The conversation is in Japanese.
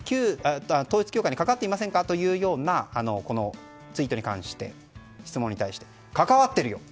統一教会に関わっていませんかというツイートに関して、質問に対して関わってるよ。